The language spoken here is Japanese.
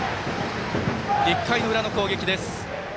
１回の裏の攻撃です。